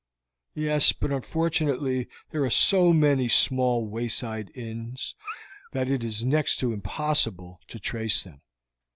"Yes, but unfortunately there are so many small wayside inns, that it is next to impossible to trace them.